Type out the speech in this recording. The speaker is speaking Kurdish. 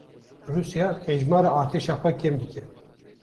Rûsya hejmara artêşa xwe kêm dike